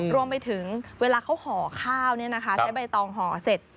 รวมไปถึงเวลาเขาห่อข้าวเนี่ยนะคะใช้ใบตองห่อเสร็จ